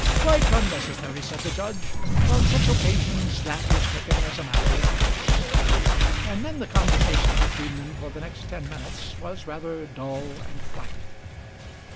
"Quite unnecessary," said the judge. "On such occasions that is taken as a matter of course." And then the conversation between them for the next ten minutes was rather dull and flat.